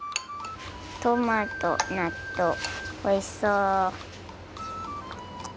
トマトなっとうおいしそう。